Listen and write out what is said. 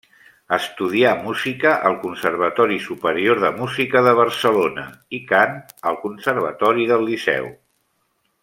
Estudià música al Conservatori Superior de Música de Barcelona i cant al Conservatori del Liceu.